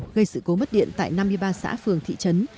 gây sự cố mất điện tại năm mươi ba xã phường thị trấn